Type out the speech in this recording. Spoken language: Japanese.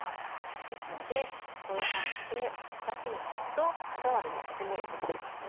ですのでこういう感じで２つに割ると歯触りもとても良くなりますね。